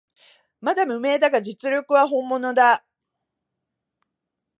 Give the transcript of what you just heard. まだ無名だが実力は本物だ